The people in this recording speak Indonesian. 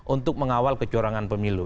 untuk mengawal kecorangan pemilu